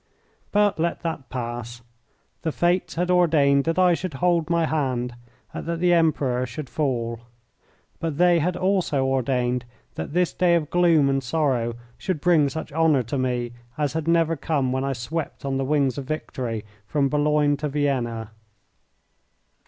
But let that pass. The Fates had ordained that I should hold my hand and that the Empire should fall. But they had also ordained that this day of gloom and sorrow should bring such honour to me as had never come when I swept on the wings of victory from Boulogne to Vienna.